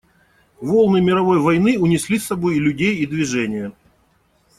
Волны мировой войны унесли с собой и людей и движение.